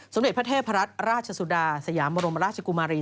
เด็จพระเทพรัตน์ราชสุดาสยามบรมราชกุมารี